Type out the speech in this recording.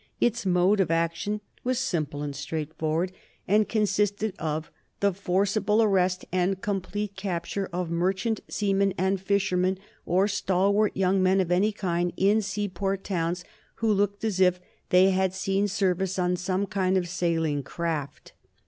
Its mode of action was simple and straight forward, and consisted of the forcible arrest and complete capture of merchant seamen and fishermen, or stalwart young men of any kind, in seaport towns, who looked as if they had seen service on some kind of sailing craft.